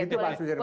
itu pak sudirman